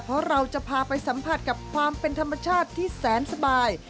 เพราะเราจะพาไปสัมผัสกับความเป็นธรรมชาติที่แสนสบาย